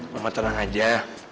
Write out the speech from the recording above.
mama tenang aja